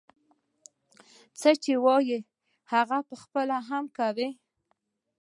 څه چې وايي هغه پخپله هم کوي.